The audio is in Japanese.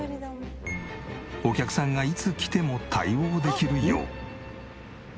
お客さんがいつ来ても対応できるよう。